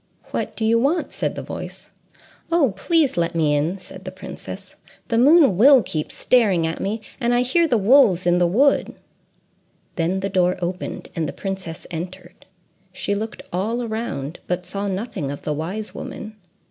"What do you want?" said the voice. "Oh, please, let me in!" said the princess. "The moon will keep staring at me; and I hear the wolves in the wood." Then the door opened, and the princess entered. She looked all around, but saw nothing of the wise woman.